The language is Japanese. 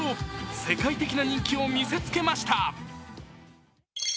世界的な人気を見せつけました。